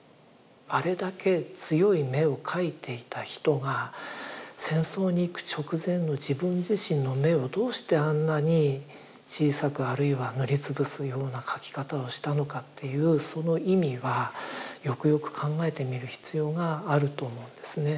あれだけ強い眼を描いていた人が戦争に行く直前の自分自身の眼をどうしてあんなに小さくあるいは塗りつぶすような描き方をしたのかっていうその意味はよくよく考えてみる必要があると思うんですね。